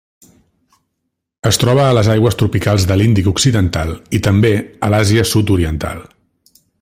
Es troba a les aigües tropicals de l'Índic occidental i, també, a l'Àsia Sud-oriental.